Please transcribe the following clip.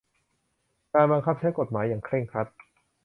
การบังคับใช้กฎหมายอย่างเคร่งครัด